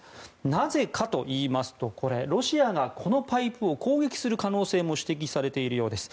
なぜかといいますとロシアがこのパイプを攻撃する可能性も指摘されているようです。